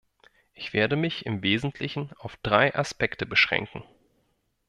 Ich werde mich im Wesentlichen auf drei Aspekte beschränken.